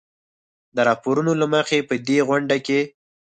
د راپورونو له مخې په دې غونډه کې